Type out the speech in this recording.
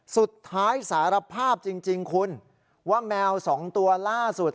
สุดท้ายสารภาพจริงคุณว่าแมว๒ตัวล่าสุด